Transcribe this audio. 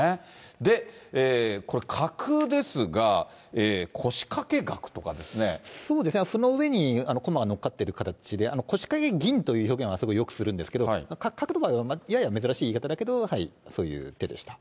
で、これ、角ですが、そうですね、その上に駒が乗っかっている形で、駒かけ銀という表現は、あそこでよくするんですけれども、角の場合は、やや珍しい言い方ですけど、そういう手でした。